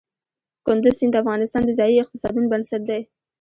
کندز سیند د افغانستان د ځایي اقتصادونو بنسټ دی.